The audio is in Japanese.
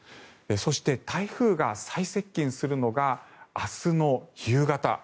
そして、台風が最接近するのが明日の夕方。